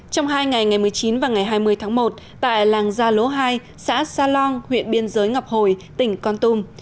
trong hai ngày ngày một mươi chín và ngày hai mươi tháng một tại làng gia lỗ hai xã sa long huyện biên giới ngọc hồi tỉnh con tum